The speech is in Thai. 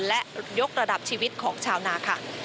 และยกระดับชีวิตของชาวนาค่ะ